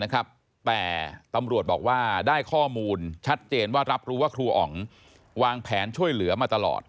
แต่ตำรวจบอกว่าได้ข้อมูลชัดเจนว่ารับรู้ว่าครูอ๋องวางแผนช่วยเหลือมาตลอด